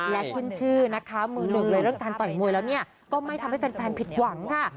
และขึ้นชื่อนะคะมือหนึ่งเลยเรื่องการต่อยมวยแล้วเนี่ยก็ไม่ทำให้แฟนผิดหวังค่ะ